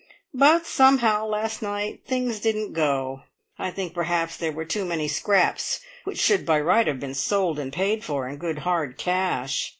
But somehow last night things didn't go! I think perhaps there were too many "scraps" which should by rights have been sold and paid for in good hard cash.